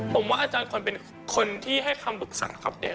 ผมว่าอาจารย์คนเป็นคนที่ให้คำปรึกษาครับเนี่ย